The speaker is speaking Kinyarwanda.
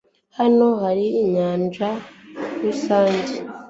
Hano hari inyanja rusange?